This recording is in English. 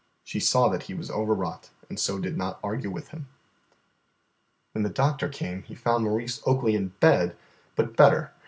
She saw that he was overwrought, and so did not argue with him. When the doctor came, he found Maurice Oakley in bed, but better.